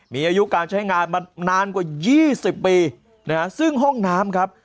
มีอายุการใช้งานมานานกว่า๒๐ปีนะฮะซึ่งห้องน้ำครับ